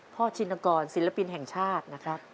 ชินกรศิลปินแห่งชาตินะครับ